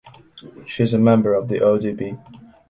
She is a member of the ÖDP.